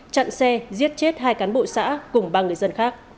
chặn xe giết chết hai cán bộ xã cùng ba người dân khác